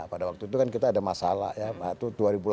pada waktu itu kan kita ada masalah ya waktu dua ribu delapan belas